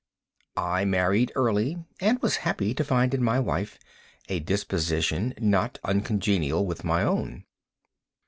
I married early, and was happy to find in my wife a disposition not uncongenial with my own.